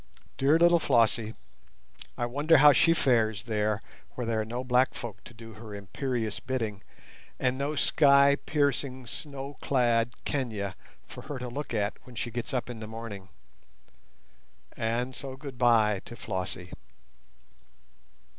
Dear little Flossie! I wonder how she fares there where there are no black folk to do her imperious bidding, and no sky piercing snow clad Kenia for her to look at when she gets up in the morning. And so goodbye to Flossie.